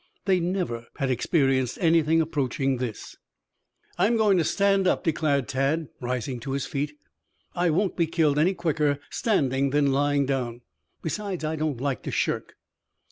They never had experienced anything approaching this. "I'm going to stand up," declared Tad, rising to his feet. "I won't be killed any quicker standing than lying down. Besides, I don't like to shirk."